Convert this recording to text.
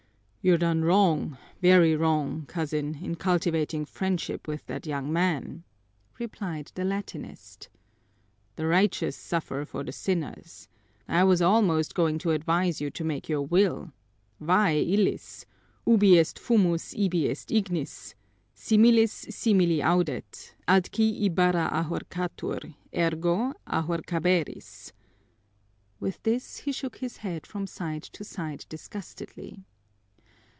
"You're done wrong, very wrong, cousin, in cultivating friendship with that young man," replied the Latinist. "The righteous suffer for the sinners. I was almost going to advise you to make your will. _Vae illis! Ubi est fumus ibi est ignis! Similis simili audet; atqui Ibarra ahorcatur, ergo ahorcaberis _" With this he shook his head from side to side disgustedly.